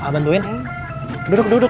bantuin duduk duduk